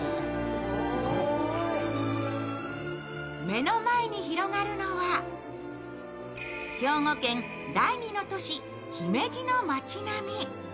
目の前に広がるのは、兵庫県第２の都市・姫路の町並み。